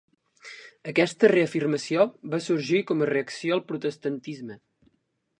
Aquesta reafirmació va sorgir com a reacció al protestantisme.